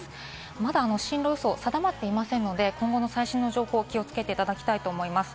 まだ進路予想、定まっていませんので、今後の最新の予報を気をつけていただきたいと思います。